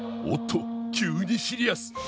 おっと急にシリアス。